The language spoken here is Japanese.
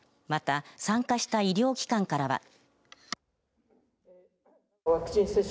また、参加した医療機関からは。